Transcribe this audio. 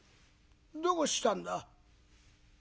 「どうしたんだ？」。